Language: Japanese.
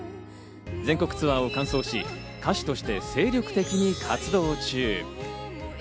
全国ツアーを完走し、歌手として精力的に活動中。